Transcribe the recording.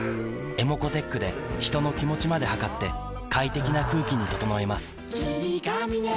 ｅｍｏｃｏーｔｅｃｈで人の気持ちまで測って快適な空気に整えます